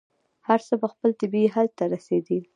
هر څه به خپل طبعي حل ته رسېدل.